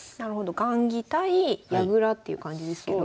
雁木対矢倉っていう感じですけど。